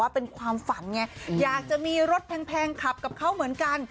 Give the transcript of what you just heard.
เป็นความฝันไงอยากจะมีรถแพงขับกับเขาเหมือนกัน